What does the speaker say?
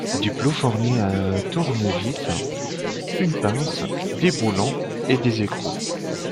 Duplo fournit un tournevis, une pince, des boulons et des écrous.